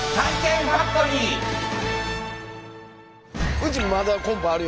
うちまだコンポあるよ。